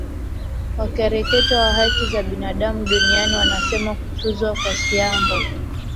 wakereketwa wa haki za binadamu duniani wanasema kutuzwa kwa siambo